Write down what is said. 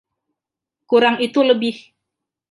Kurang itu lebih.